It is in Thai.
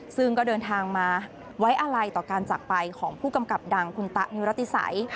ซึ่งก็เดินทางมาไว้อะไรต่อการจักรไปของผู้กำกับดังคุณตะนิรติสัย